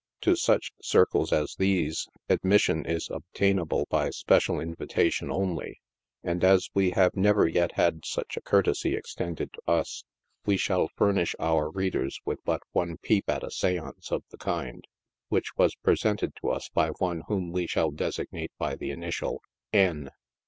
To such circles as these admission is obtainable by special invitation only, and, as we have never yet had such a courtesy extended to us, we shall furnish our THE MEDIUMS. 81 readers with but one peep at a seance of the kind, which was pre sented to us by one whom we shall designate by the initial "N."